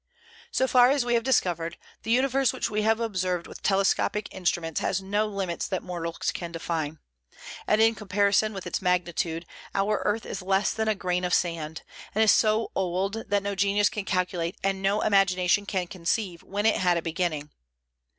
So far as we have discovered, the universe which we have observed with telescopic instruments has no limits that mortals can define, and in comparison with its magnitude our earth is less than a grain of sand, and is so old that no genius can calculate and no imagination can conceive when it had a beginning.